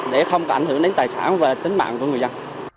để không ảnh hưởng đến tài sản và tính mạng của người dân